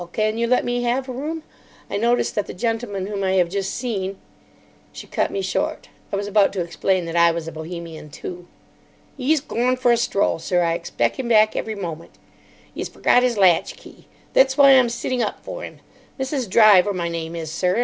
Can you let me have a room? I notice that the gentleman whom I have just seen——" She cut me short. I was about to explain that I was a Bohemian, too. "'E's gorn for a stroll, sir. I expec' him back every moment. 'E's forgot 'is latchkey. Thet's why I'm sitting up for 'im. Mrs. Driver my name is, sir.